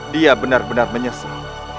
dia benar benar menyesal